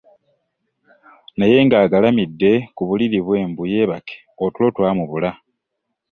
Naye ng'agalamidde ku buliri bwe mbu yeebake otulo twamubula.